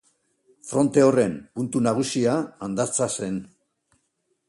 Fronte horren puntu nagusia Andatza zen.